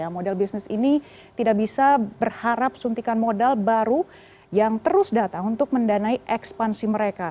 karena model bisnis ini tidak bisa berharap suntikan modal baru yang terus datang untuk mendanai ekspansi mereka